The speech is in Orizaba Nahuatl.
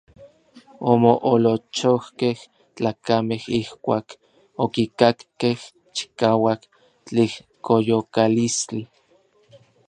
Omoolochojkej tlakamej ijkuak okikakkej chikauak tlijkoyokalistli.